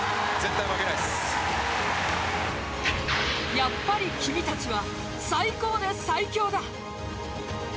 やっぱり君たちは最高で最強だ。